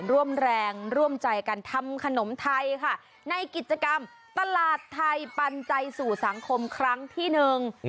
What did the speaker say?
ร่วมแรงร่วมใจกันทำขนมไทยค่ะในกิจกรรมตลาดไทยปันใจสู่สังคมครั้งที่หนึ่ง